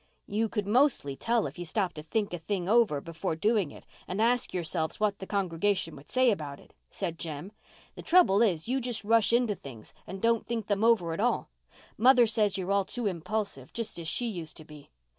"You could mostly tell if you stopped to think a thing over before doing it and ask yourselves what the congregation would say about it," said Jem. "The trouble is you just rush into things and don't think them over at all. Mother says you're all too impulsive, just as she used to be.